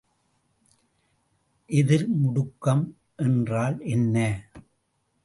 எதிர்முடுக்கம் என்றால் என்ன?